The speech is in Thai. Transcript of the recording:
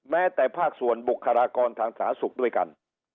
แม้แต่ภาคส่วนบุคลากรทางสาธารณสุขด้วยกัน